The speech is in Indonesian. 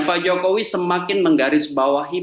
pak jokowi semakin menggaris bawahi